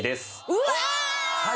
うわ！